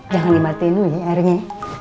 jangan dimatiin lu ya r nya